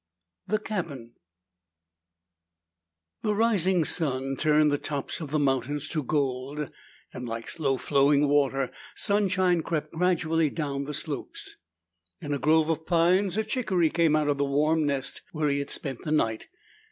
4. THE CABIN The rising sun turned the tops of the mountains to gold, and like slow flowing water, sunshine crept gradually down the slopes. In a grove of pines, a chickaree came out of the warm nest where he had spent the night.